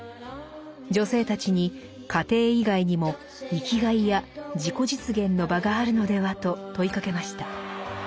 女性たちに家庭以外にも生きがいや自己実現の場があるのではと問いかけました。